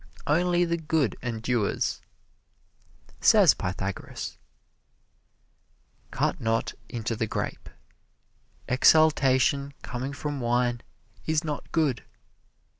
Only the good endures. Says Pythagoras: Cut not into the grape. Exaltation coming from wine is not good.